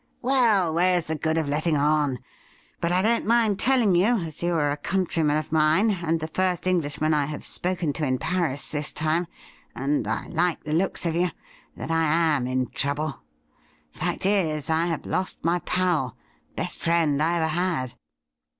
'Well, where's the good of letting on? But I don't mind telling you, as you are a countryman of mine, and the first Englishman I have spoken to in Paris this time — and I like the looks of you — ^that I am in trouble. Fact is, I have lost my pal — best friend I ever had.'